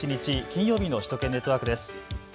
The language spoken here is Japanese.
金曜日の首都圏ネットワークです。